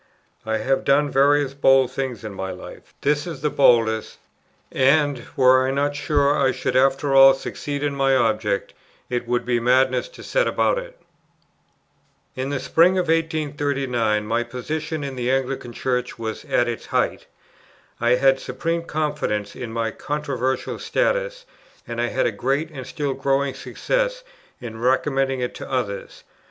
I have done various bold things in my life: this is the boldest: and, were I not sure I should after all succeed in my object, it would be madness to set about it. In the spring of 1839 my position in the Anglican Church was at its height. I had supreme confidence in my controversial status, and I had a great and still growing success, in recommending it to others.